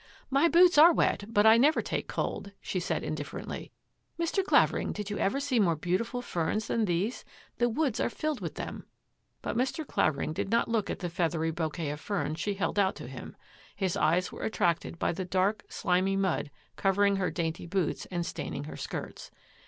" My boots are wet, but I never take cold,'* she said indifferently. " Mr. Clavering, did you ever see more beautiful ferns than these? The woods are filled with them." But Mr. Clavering did not look at the feathery bouquet of ferns she held out to him. His eyes were attracted by the dark, slimy mud covering her dainty boots and staining her skirts.